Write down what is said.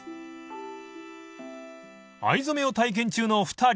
［藍染めを体験中の２人］